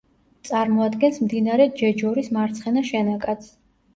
წარმოადგენს მდინარე ჯეჯორის მარცხენა შენაკადს.